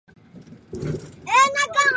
日当诺夫卡小涅瓦河两条分流之一。